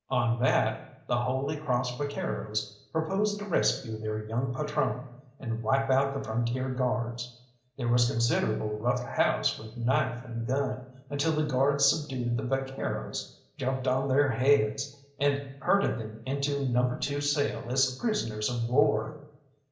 On that the Holy Cross vaqueros proposed to rescue their young patrone, and wipe out the Frontier Guards. There was considerable rough house with knife and gun, until the guards subdued the vaqueros, jumped on their heads, and herded them into No. 2 cell as prisoners of war.